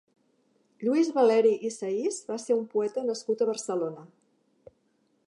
Lluís Valeri i Sahís va ser un poeta nascut a Barcelona.